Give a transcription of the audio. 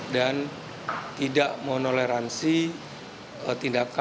dan tidak menoleransi tindakan pelecehan seksual